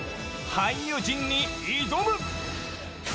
俳優陣に挑む！